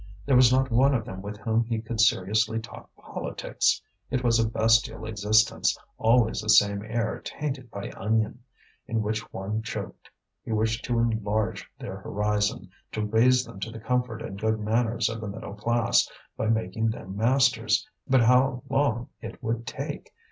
There was not one with whom he could seriously talk politics; it was a bestial existence, always the same air tainted by onion, in which one choked! He wished to enlarge their horizon, to raise them to the comfort and good manners of the middle class, by making them masters; but how long it would take!